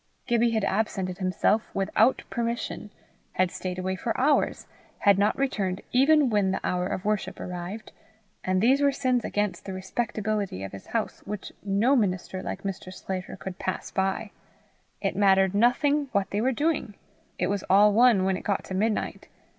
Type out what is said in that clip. Gibbie had absented himself without permission, had stayed away for hours, had not returned even when the hour of worship arrived; and these were sins against the respectability of his house which no minister like Mr. Sclater could pass by. It mattered nothing what they were doing! it was all one when it got to midnight!